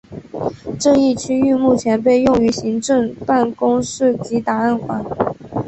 这一区域目前被用于行政办公室及档案馆。